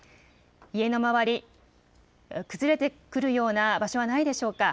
家の周り、崩れてくるような場所はないでしょうか。